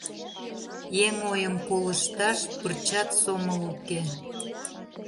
Еҥ ойым колышташ пырчат сомыл уке.